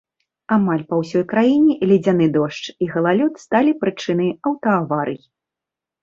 Амаль па ўсёй краіне ледзяны дождж і галалёд сталі прычынай аўтааварый.